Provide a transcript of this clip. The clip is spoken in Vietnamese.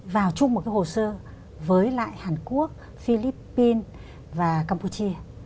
vào chung một cái hồ sơ với lại hàn quốc philippines và campuchia